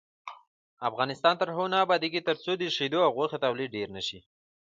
افغانستان تر هغو نه ابادیږي، ترڅو د شیدو او غوښې تولید ډیر نشي.